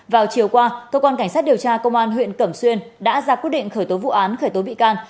vào chiều qua cơ quan cảnh sát điều tra công an huyện cẩm xuyên đã ra quyết định khởi tố vụ án khởi tố bị can